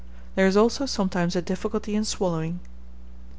There is also sometimes a difficulty in swallowing.